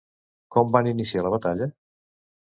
Com van iniciar la batalla?